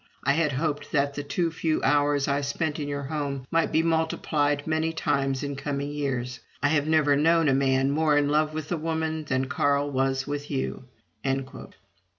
I had hoped that the too few hours I spent in your home might be multiplied many times in coming years. ... I have never known a man more in love with a woman than Carl was with you."